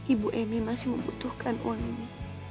ibu emi masih membutuhkan uang ini